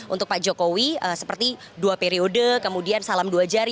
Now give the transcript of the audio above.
untuk pak jokowi seperti dua periode kemudian salam dua jari